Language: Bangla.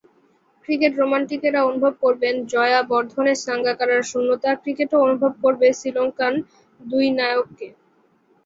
ক্রিকেট রোমান্টিকেরা অনুভব করবেন জয়াবর্ধনে-সাঙ্গাকারার শূন্যতা, ক্রিকেটও অনুভব করবে শ্রীলঙ্কান দুই নায়ককে।